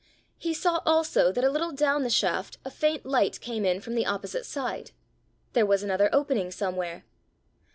He saw also that a little down the shaft a faint light came in from the opposite side: there was another opening somewhere!